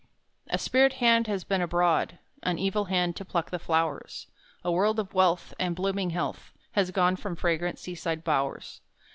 A spirit hand has been abroad An evil hand to pluck the flowers A world of wealth, And blooming health Has gone from fragrant seaside bowers.